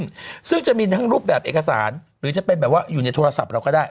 ซึ่งจะมีทั้งรูปแบบเอกสารหรือจะเป็นแบบว่าอยู่ในโทรศัพท์เราก็ได้